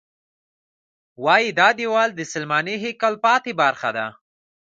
وایي دا دیوال د سلیماني هیکل پاتې برخه ده.